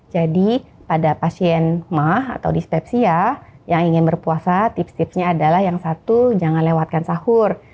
jadi pada pasien mah atau dispepsia yang ingin berpuasa tips tipsnya adalah yang satu jangan lewatkan sahur